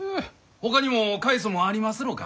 ほかにも返すもんありますろうか？